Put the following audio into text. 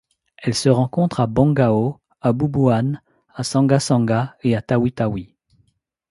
Elle se rencontre à Bongao, à Bubuan, à Sanga-Sanga et à Tawi-Tawi.